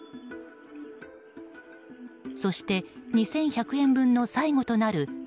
そして、２１００円分の最後となる